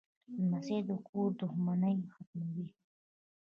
لمسی د کور دښمنۍ ختموي.